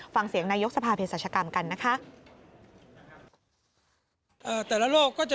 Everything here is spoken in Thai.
ฟังเสียงนายกสภาเพศรัชกรรมกันนะคะ